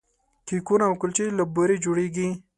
کیکونه او کلچې له بوري جوړیږي.